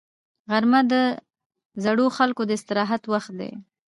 غرمه د زړو خلکو د استراحت وخت دی